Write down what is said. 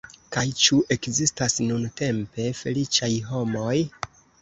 Kaj ĉu ekzistas nuntempe feliĉaj homoj?